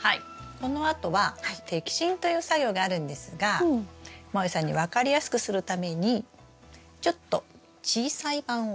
このあとは摘心という作業があるんですがもえさんに分かりやすくするためにちょっと小さい版を。